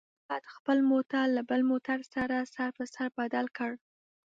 احمد خپل موټر له بل موټر سره سر په سر بدل کړ.